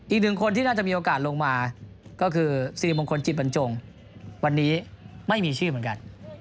อีกหนึ่งคนที่น่าจะมีโอกาสลงมาก็คือสิริมงคลจิตบรรจงวันนี้ไม่มีชื่อเหมือนกัน